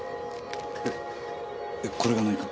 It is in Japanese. えこれが何か？